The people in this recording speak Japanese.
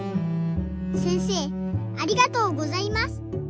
せんせいありがとうございます。